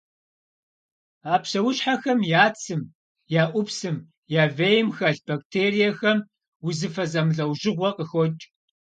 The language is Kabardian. А псэущхьэхэм я цым, я ӏупсым, я вейм хэлъ бактериехэм узыфэ зэмылӏэужьыгъуэ къыхокӏ.